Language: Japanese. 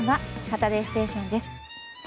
「サタデーステーション」です。